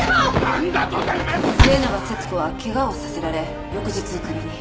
末永節子は怪我をさせられ翌日クビに。